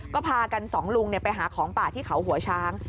ก็พากันสองลุงไปหาของป่าที่เขาหัวช้าง